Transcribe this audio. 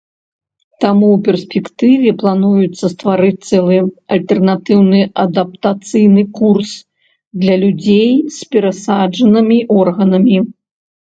Таму ў перспектыве плануецца стварыць цэлы альтэрнатыўны адаптацыйны курс для людзей з перасаджанымі органамі.